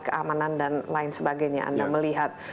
keamanan dan lain sebagainya anda melihat